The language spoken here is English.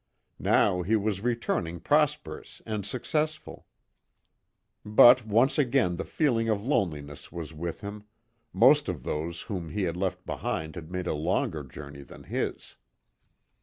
Now he was returning prosperous and successful. But once again the feeling of loneliness was with him most of those whom he had left behind had made a longer journey than his.